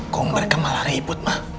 kok berkemala ribut mah